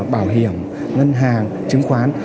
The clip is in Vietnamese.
bảo hiểm ngân hàng chứng khoán